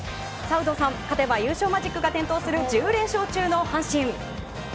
有働さん、勝てば優勝マジックが点灯する１０連勝中の阪神。